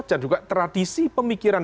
dan juga tradisi pemimpin